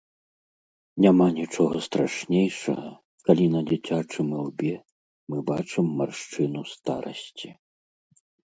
Няма нічога страшнейшага, калі на дзіцячым ілбе мы бачым маршчыну старасці.